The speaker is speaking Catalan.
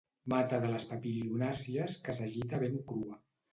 Mata de les papilionàcies que s'agita ben crua.